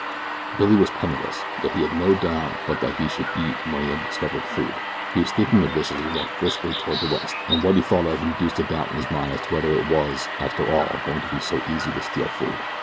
Billy was penniless, yet he had no doubt but that he should eat when he had discovered food. He was thinking of this as he walked briskly toward the west, and what he thought of induced a doubt in his mind as to whether it was, after all, going to be so easy to steal food.